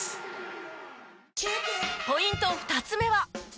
ポイント２つ目は。